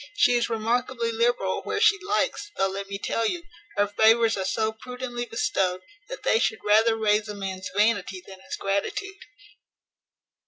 She is remarkably liberal where she likes; though, let me tell you, her favours are so prudently bestowed, that they should rather raise a man's vanity than his gratitude."